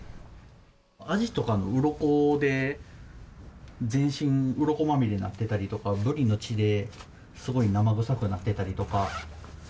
アジとかのうろこで全身うろこまみれになってたりとかブリの血ですごい生臭くなってたりとかしたりするので